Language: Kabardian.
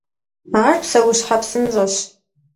Ар псэущхьэ псынщӏэщ.